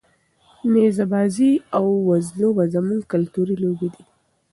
نیزه بازي او وزلوبه زموږ کلتوري لوبې دي.